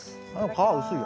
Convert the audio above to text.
皮薄いよ。